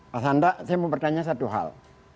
mas hanta saya mau bertanya satu hal